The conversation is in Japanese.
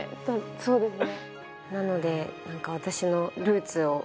そうですね。